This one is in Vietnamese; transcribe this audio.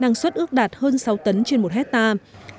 năng suất ước đạt hơn sáu tấn trên một hectare